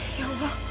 eh ya allah